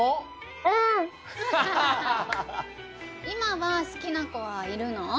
いまは好きなこはいるの？